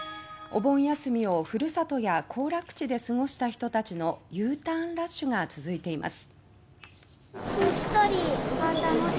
お盆休みを、ふるさとや行楽地で過ごした人たちのＵターンラッシュが続いています。